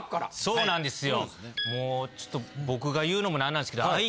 そうなんですよ。